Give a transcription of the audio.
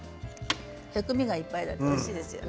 薬味がいっぱいだとうれしいですよね。